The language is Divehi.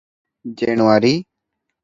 ޖެނުއަރީ